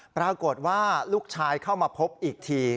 ปรากฏว่าลูกชายเข้ามาพบอีกที